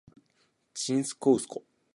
ちんすこうすこ